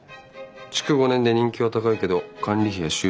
築５年で人気は高いけど管理費や修繕